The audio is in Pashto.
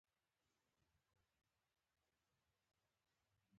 غوږونه د اورېدنې روزنه غواړي